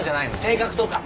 性格とか。